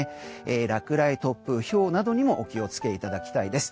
落雷、突風、ひょうなどにもお気を付けいただきたいです。